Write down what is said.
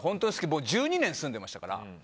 僕、１２年住んでましたから。